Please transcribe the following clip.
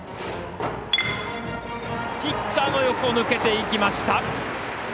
ピッチャーの横抜けていきました。